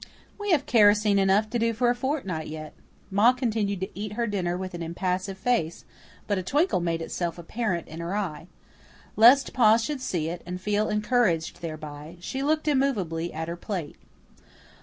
"We have kerosene enough to do for a fortnight yet." Ma continued to eat her dinner with an impassive face, but a twinkle made itself apparent in her eye. Lest Pa should see it, and feel encouraged thereby, she looked immovably at her plate.